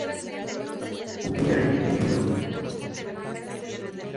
¿hubierais vivido?